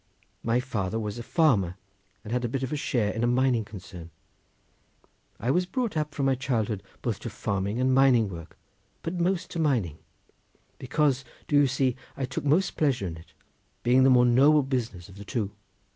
My father was a farmer and had a bit of a share in a mining concern. I was brought up from my childhood both to farming and mining work, but most to mining, because, do you see, I took most pleasure in it, being the more noble business of the two.